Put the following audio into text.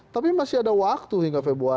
tapi masih ada waktu hingga februari